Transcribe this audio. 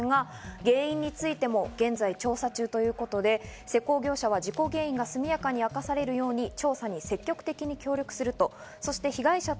原因についても現在調査中ということで、施工業者は事故原因が速やかに明かされるように調査に積極的に協力すると。